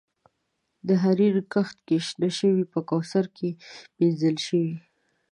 د حریر کښت کې شنه شوي په کوثر کې مینځل شوي